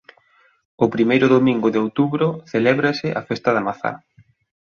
O primeiro domingo de outubro celébrase a festa da mazá.